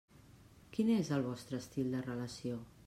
Quin és el vostre estil de relació?